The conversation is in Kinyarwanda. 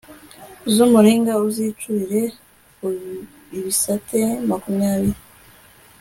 z umuringa uzicurire ibisate makumyabiri